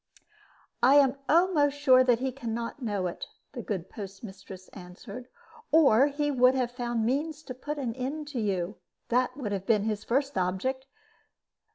"I am almost sure that he can not know it," the good postmistress answered, "or he would have found means to put an end to you. That would have been his first object."